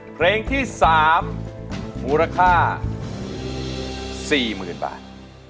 เพลงที่๓มูลค่า๔๐๐๐บาท